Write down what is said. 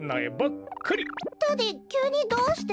ダディきゅうにどうして？